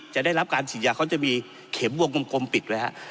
จะได้รับการฉีดยาเขาจะมีเข็มวงกลมปิดไว้ฮะ